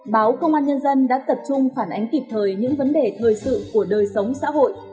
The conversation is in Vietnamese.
báo công an nhân dân đã tập trung phản ánh kịp thời những vấn đề thời sự của đời sống xã hội